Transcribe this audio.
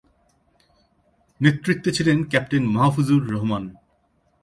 নেতৃত্বে ছিলেন ক্যাপ্টেন মাহফুজুর রহমান।